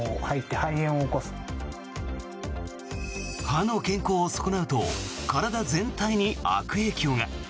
歯の健康を損なうと体全体に悪影響が。